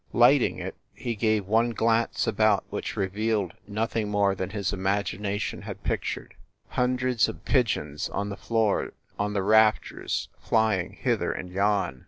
Lighting it, he gave one glance about, which revealed nothing more than his imagination had pictured hundreds of pigeons on the floor, on the rafters, flying hither and yon.